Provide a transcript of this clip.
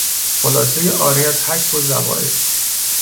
خلاصهی عاری از حشو و زوائد